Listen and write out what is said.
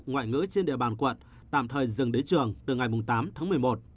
ngoại ngữ trên địa bàn quận tạm thời dừng đến trường từ ngày tám tháng một mươi một